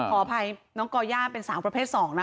ขออภัยน้องก็บลชาเป็นสาวประเภทสอง